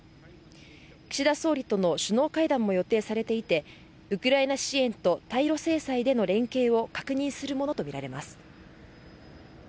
岸田総理との首脳会談も予定されていてウクライナ支援と対露制裁での連携を確認するものとみられます。